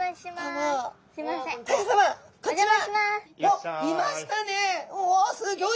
うおすギョい！